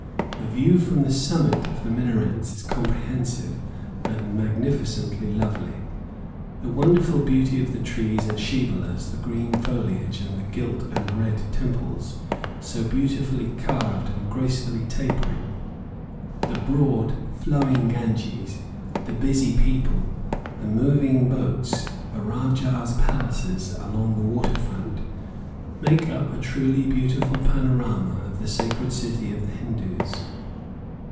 The view from the summit of the minarets is comprehensive and magnificently lovely; the wonderful beauty of the trees and shivalas, the green foliage, and the gilt and red temples, so beautifully carved and gracefully tapering; the broad, flowing Ganges, the busy people, the moving boats, the rajahs' palaces along the water front, make up a truly beautiful panorama of the Sacred City of the Hindoos.